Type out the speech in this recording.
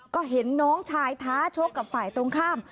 ก็เห็นน้องชายท้าชกกับฝ่ายตรงข้าม